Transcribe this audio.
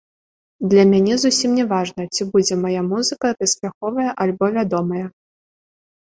Для мяне зусім не важна, ці будзе мая музыка паспяховая альбо вядомая.